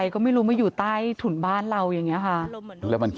ก็ก็ใกล้อยู่เหมือนเดิมเพราะว่าบ้านตัวเอง